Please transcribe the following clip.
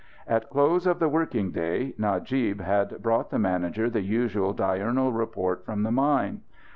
At close of the working day, Najib had brought the manager the usual diurnal report from the mine.